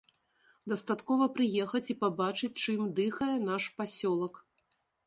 Дастаткова прыехаць і пабачыць, чым дыхае наш пасёлак.